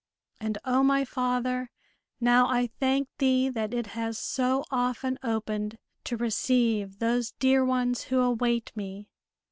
And O, my Father, now I thank Thee that it has so often opened, to receive those dear ones who await me!"